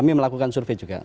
kita melakukan survei juga